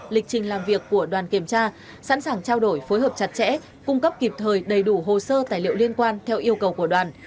lịch trình làm việc của đoàn kiểm tra sẵn sàng trao đổi phối hợp chặt chẽ cung cấp kịp thời đầy đủ hồ sơ tài liệu liên quan theo yêu cầu của đoàn